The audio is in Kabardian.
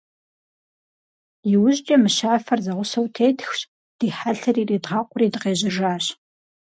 ИужькӀэ мыщафэр зэгъусэу тетхщ, ди хьэлъэр иридгъэкъури дыкъежьэжащ.